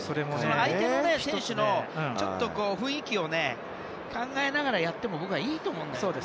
相手の選手の雰囲気を考えながらやっても僕はいいと思うんだよね。